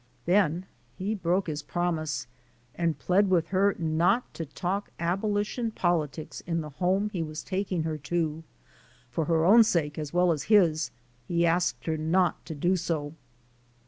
Then he broke his promise and plead with her not to talk abolition politics in the home he was taking her to ; for her own sake as well as his, he asked her not to do so.